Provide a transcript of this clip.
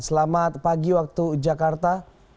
selamat pagi waktu jakarta